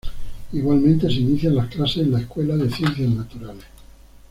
Igualmente, se inician las clases en la Escuela de Ciencias Naturales.